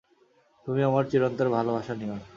তুমি আমার চিরন্তন ভালবাসা নিও।